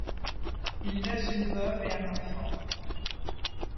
Il laisse une veuve et un enfant.